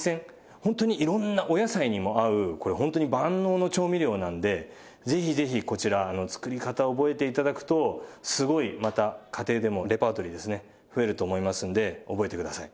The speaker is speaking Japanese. ホントにいろんなお野菜にも合うこれホントに万能の調味料なのでぜひぜひこちら作り方を覚えて頂くとすごいまた家庭でもレパートリーですね増えると思いますので覚えてください。